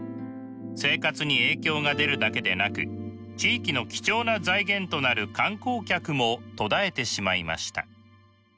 生活に影響が出るだけでなく地域の貴重な財源となる観光客も途絶えてしまいました。